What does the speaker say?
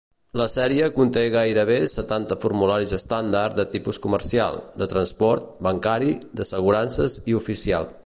La sèrie conté gairebé setanta formularis estàndard de tipus comercial, de transport, bancari, d'assegurances i oficial.